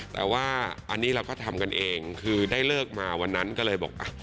แต่ว่าอันนี้เราก็ทำกันเองคือได้เลิกมาวันนั้นก็เลยบอกอ่ะ